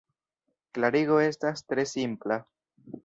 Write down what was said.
Klarigo estas tre simpla.